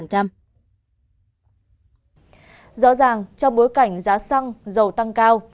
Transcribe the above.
rõ ràng trong bối cảnh giá xăng dầu tăng cao